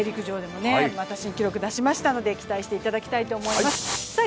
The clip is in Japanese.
また新記録出しましたので期待していただきたいと思います。